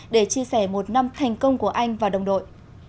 để chia sẻ một năm thành công của anh và đồng đội